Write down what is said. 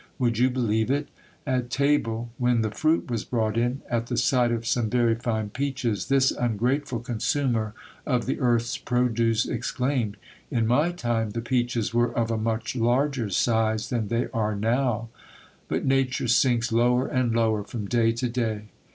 Would you believe it ? At table, when the fruit was brought in, at the sight of some very fine peaches, this ungrateful c Dnsumer of the earth's produce exclaimed : In my time, the peaches were of a much larger size than they are now ; but nature sinks lower and lower from day to day.